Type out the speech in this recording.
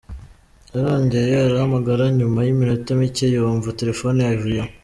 Yarongeye arahamagara nyuma y’iminota micye, yumva telephone yavuyeho.